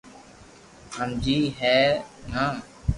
ھمجي ھي نا